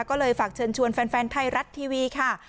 ก็เลยฝากเชิญชวนแฟนไทยรัฐทีวีค่ะ